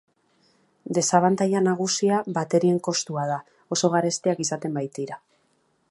Desabantaila nagusia baterien kostua da, oso garestiak izaten baitira.